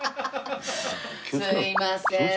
すいませんね